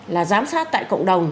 là giám sát tại cộng đồng